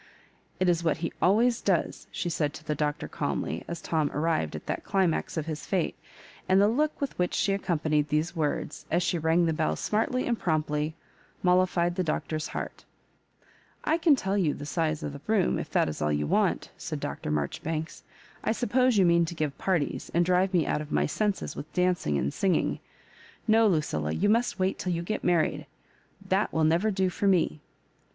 " It is what he always does," she said to the Doctor, oalmly, as Tom arrived at that climax of his fate ; and the look with which she accompanied these words, as she rang the bell smartly and prompt ly, mollified the Doctor's heart I' I can tell you the size of the room, if that is all you want," said Dr. Marjoribanks. " I sup pose you mean to give parties, and drive me out of my senses with dancing and singing. No, LuciUa, you must wait till you get married — that will never do for me."